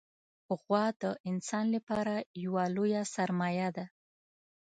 غوا د انسان لپاره یوه لویه سرمایه ده.